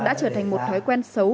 đã trở thành một thói quen xấu